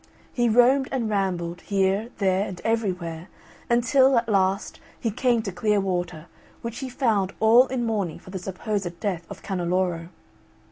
He roamed and rambled here, there, and everywhere until, at last, he came to Clear Water, which he found all in mourning for the supposed death of Canneloro.